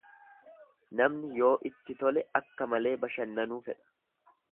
Namni yoo itti tole akka malee bashannanuu fedha.